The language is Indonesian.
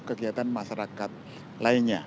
dan kegiatan masyarakat lainnya